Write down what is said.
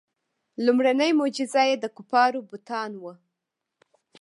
لومړنۍ معجزه یې د کفارو بتان وو.